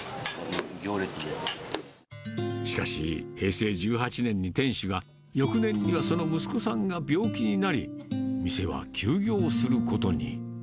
しかし、平成１８年に店主が、翌年にはその息子さんが病気になり、店は休業することに。